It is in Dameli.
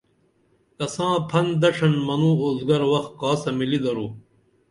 کساں پھن دڇھن منوں اُوزگر وخ کاسہ ملی درو